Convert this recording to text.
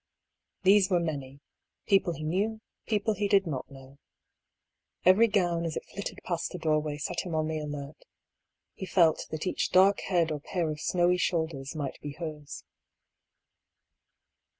These were many ; people he knew, people he did not know. Every gown as it flitted past the doorway set him on the alert — he felt that each dark head or pair of snowy shoulders might be hers.